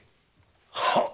はっ！